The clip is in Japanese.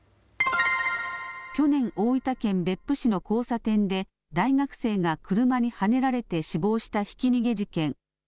去年、大分県別府市の交差点で大学生が車にはねられて死亡したひき逃げ事件。